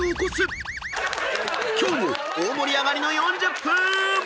［今日も大盛り上がりの４０分！］